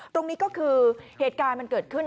ตรงนี้ก็คือเหตุการณ์มันเกิดขึ้น